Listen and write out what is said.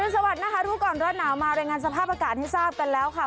สวัสดีนะคะรู้ก่อนร้อนหนาวมารายงานสภาพอากาศให้ทราบกันแล้วค่ะ